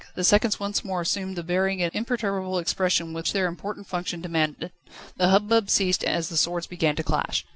The seconds once more assumed the bearing and imperturbable expression which their important function demanded. The hubbub ceased as the swords began to clash.